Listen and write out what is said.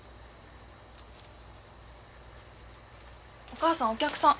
お母さんお客さん。